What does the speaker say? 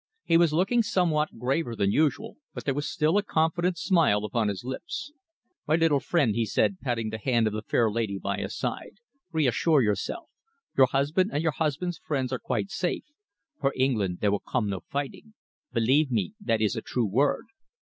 He was looking somewhat graver than usual, but there was still a confident smile upon his lips. "My little friend," he said, patting the hand of the fair lady by his side, "reassure yourself. Your husband and your husband's friends are quite safe. For England there will come no fighting. Believe me, that is a true word."